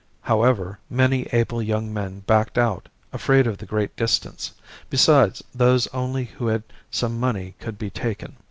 However, many able young men backed out, afraid of the great distance; besides, those only who had some money could be taken.